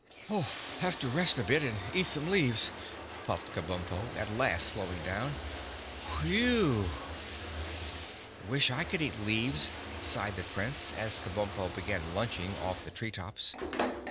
"Have to rest a bit and eat some leaves," puffed Kabumpo, at last slowing down. "Whe—w!" "Wish I could eat leaves," sighed the Prince, as Kabumpo began lunching off the tree tops.